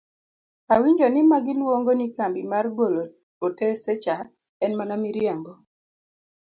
Awinjo ni magi luong'o ni kambi mar golo otese cha en mana miriambo!